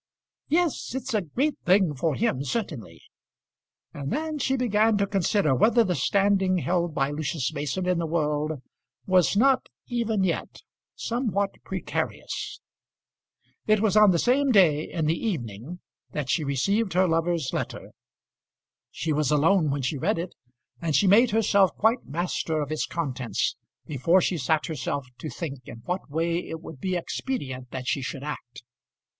"Yes; it's a great thing for him, certainly." And then she began to consider whether the standing held by Lucius Mason in the world was not even yet somewhat precarious. It was on the same day in the evening that she received her lover's letter. She was alone when she read it, and she made herself quite master of its contents before she sat herself to think in what way it would be expedient that she should act.